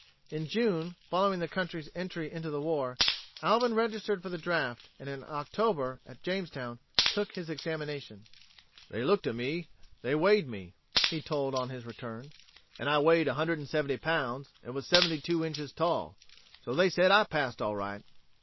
In June following the country's entry into the war Alvin registered for the draft and in October at Jamestown took his examination. "They looked at me, they weighed me," he told on his return, "and I weighed 170 pounds and was 72 inches tall. So they said I passed all right!"